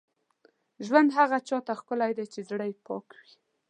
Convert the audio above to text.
ژوند هغه چا ته ښکلی دی، چې زړه یې پاک وي.